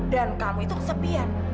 dan kamu itu kesepian